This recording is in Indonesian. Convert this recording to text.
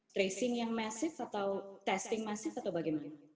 tracing yang massive atau testing massive atau bagaimana